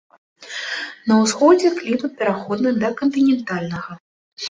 На ўсходзе клімат пераходны да кантынентальнага.